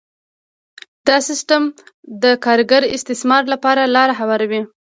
دا سیستم د کارګر د استثمار لپاره لاره هواروي